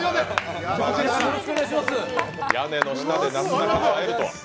屋根の下でなすなかに会えると。